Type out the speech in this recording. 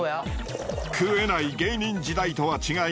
食えない芸人時代とは違い